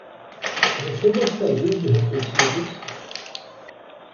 Você gostaria de repetir isso?